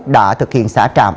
đã thực hiện xã trạm